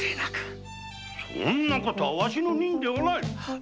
そんな事はワシの任ではない。